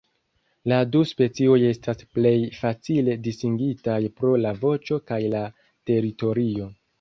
La du specioj estas plej facile distingitaj pro la voĉo kaj la teritorio.